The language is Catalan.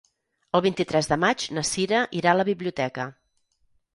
El vint-i-tres de maig na Sira irà a la biblioteca.